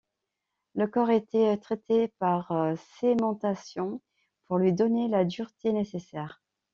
Le corps était traité par cémentation pour lui donner la dureté nécessaire.